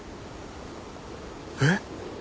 えっ？